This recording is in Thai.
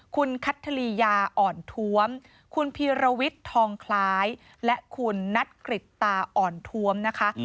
คุณพีรวิทธองคลายและคุณนัทกริตตาอ่อนทวมนะคะ